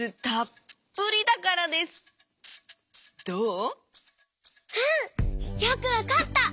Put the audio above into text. うん！よくわかった！